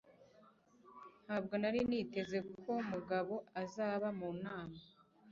Ntabwo nari niteze ko Mugabo azaba mu nama.